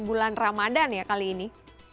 bulan ramadan ya kali ini